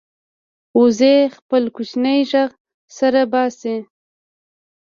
وزې خپل کوچنی غږ سره باسي